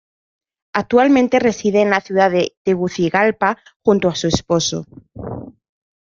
Actualmente reside en la ciudad de Tegucigalpa junto a su esposo.